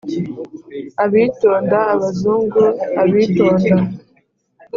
abitonda, abazungu, abitonda,